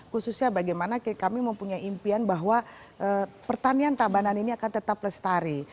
khususnya bagaimana kami mempunyai impian bahwa pertanian tabanan ini akan tetap lestari